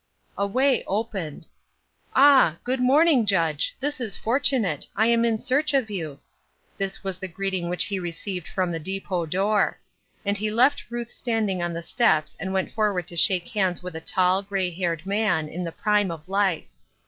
A way opened. " Ah, good morning. Judge I this is fortunate. I am in search of you.'' This was the greeting which he received from the depot door. And he left Ruth standing on the steps and went forward to shake hands with a tall, gray haired man, in the prime of life.